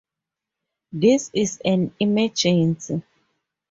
This is an emergency!